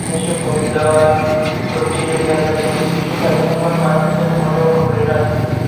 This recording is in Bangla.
দেশে ভোট দেওয়ার প্রক্রিয়া লিয়াকতের মতো বিশেষ চাহিদাসম্পন্ন মানুষের জন্য মোটেও অনুকূলে নয়।